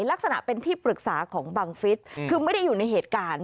ลักษณะเป็นที่ปรึกษาของบังฟิศคือไม่ได้อยู่ในเหตุการณ์